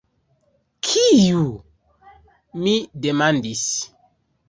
Kiu?“ mi demandis.